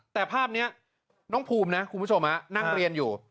แต่ภาพนี้น้องภูมินะคุณผู้ชมนั่งเรียนอยู่